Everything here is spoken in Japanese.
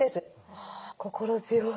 はあ心強い。